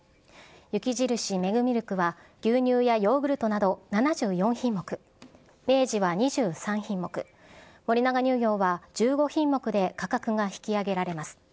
雪印メグミルクは牛乳やヨーグルトなど７４品目、明治は２３品目、森永乳業は１５品目で価格が引き上げられます。